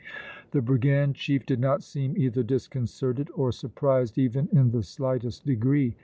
The brigand chief did not seem either disconcerted or surprised even in the slightest degree.